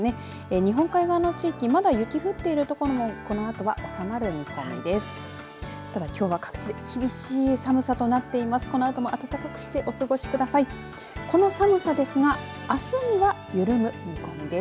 日本海側の地域まだ雪降っている所もこのあと収まる見込みです。